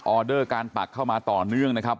อเดอร์การปักเข้ามาต่อเนื่องนะครับ